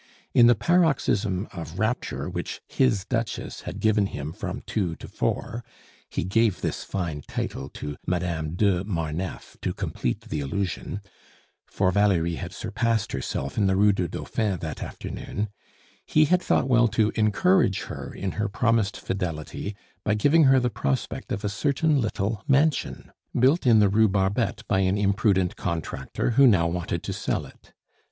In the paroxysm of rapture which his Duchess had given him from two to four he gave this fine title to Madame de Marneffe to complete the illusion for Valerie had surpassed herself in the Rue du Dauphin that afternoon, he had thought well to encourage her in her promised fidelity by giving her the prospect of a certain little mansion, built in the Rue Barbette by an imprudent contractor, who now wanted to sell it.